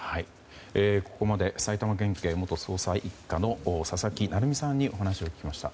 ここまで埼玉県警元捜査１課の佐々木成三さんにお話を聞きました。